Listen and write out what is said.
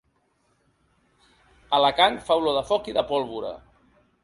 Alacant fa olor de foc i de pólvora.